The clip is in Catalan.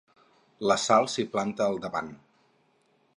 La Sal s'hi planta al davant.